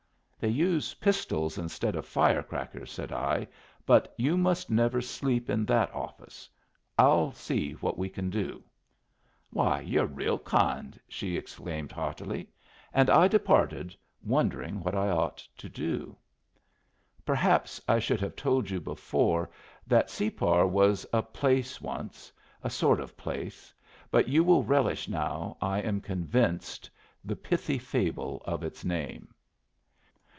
"They use pistols instead of fire crackers," said I. "But you must never sleep in that office. I'll see what we can do." "Why, you're real kind!" she exclaimed, heartily. And I departed, wondering what I ought to do. Perhaps I should have told you before that Separ was a place once a sort of place; but you will relish now, I am convinced, the pithy fable of its name.